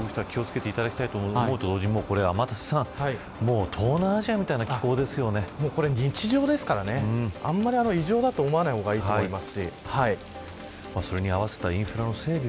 気を付けていただきたいと思うのと同時に東南アジアみたいな日常ですからあまり異常だと思わない方がいいと思います。